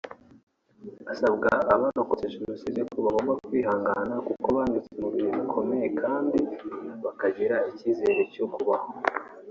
Asaba abarokotse Jenoside kwihangana bakikomeza kuko banyuze mu bihe bikomeye kandi bakagira icyizere cyo kubaho